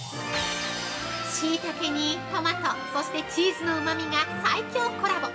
◆しいたけにトマト、そしてチーズのうまみが最強コラボ！